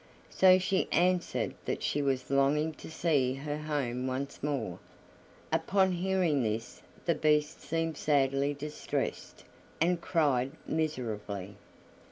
So she answered that she was longing to see her home once more. Upon hearing this the Beast seemed sadly distressed, and cried miserably.